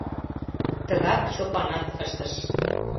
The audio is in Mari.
Тыгак Чопанат ыштыш.